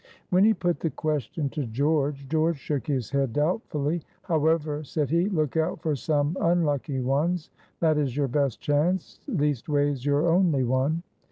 When he put the question to George, George shook his head doubtfully. "However," said he, "look out for some unlucky ones, that is your best chance, leastways your only one."